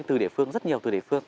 từ địa phương rất nhiều từ địa phương